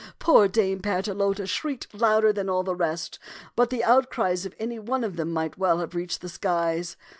Poor Dame Partelote shrieked louder than all the rest; but the outcries of any one of them might well have reached the skies.